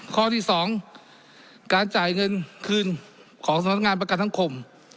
ข้อที่สองการจ่ายเงินคืนของสถานการณ์ประกันธรรม